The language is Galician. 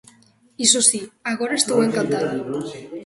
Iso si, agora estou encantada.